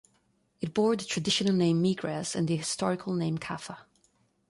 It bore the traditional name "Megrez" and the historical name "Kaffa".